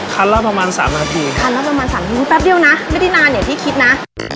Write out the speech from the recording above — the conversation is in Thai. คันรถก็ประมาณสามนาทีคันรถประมาณสามนาทีแป๊บเดี๋ยวนะไม่นานไหนพี่คิดนะ